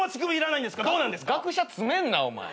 学者詰めんなお前。